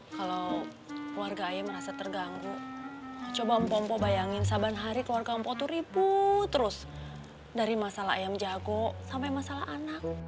kalau keluarga ayam merasa terganggu coba mpo mpo bayangin saban hari keluarga mpo tuh ribut terus dari masalah ayam jago sampai masalah anak